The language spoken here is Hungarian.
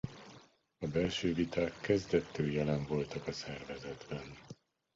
A belső viták kezdettől jelen voltak a szervezetben.